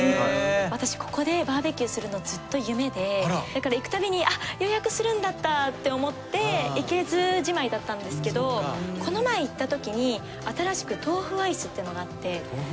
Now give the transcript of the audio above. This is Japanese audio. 私ここでバーベキューするのずっと夢でだから行くたびにあっ予約するんだったって思って行けずじまいだったんですけどこの前行ったときに新しくとうふアイス？